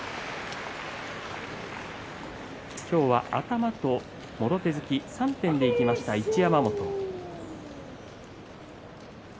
今日は頭ともろ手突き３点でいきました、一山本。